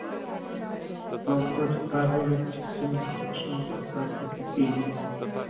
ما ستاسو ښار وليد چې څومره فحشا او فساد پکښې کېږي.